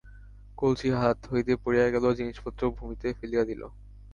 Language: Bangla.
কলসী হাত হইতে পড়িয়া গেল, জিনিসপত্র ভূমিতে ফেলিয়া দিল।